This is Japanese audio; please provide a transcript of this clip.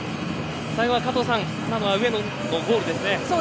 最後は加藤さん上野のゴールですね。